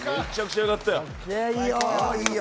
いいよ